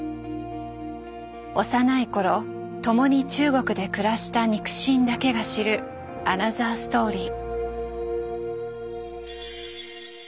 幼い頃共に中国で暮らした肉親だけが知るアナザーストーリー。